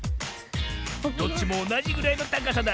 どっちもおなじぐらいのたかさだ。